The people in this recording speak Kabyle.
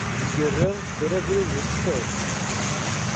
Lgerra terra abrid itecceḍ.